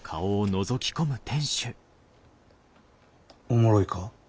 おもろいか？